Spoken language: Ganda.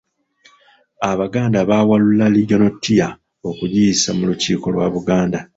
Abaganda baawalula Regional Tier okugiyisa mu Lukiiko lwa Buganda,